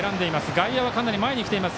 外野はかなり前にきています